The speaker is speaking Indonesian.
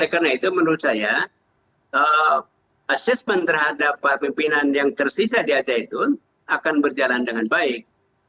karena itu menurut saya assessment terhadap pimpinan yang tersisa di al zaitun akan berjalan dengan baik